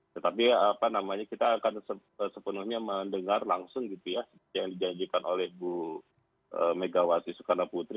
tetapi kita akan sepenuhnya mendengar langsung yang dijanjikan oleh bu megawati soekarno putri